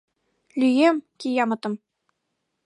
Лӱе-ем кияматым!..